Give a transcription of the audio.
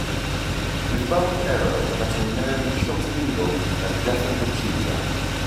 With bow and arrow the veterinarian shot a needle that deafened the cheetah.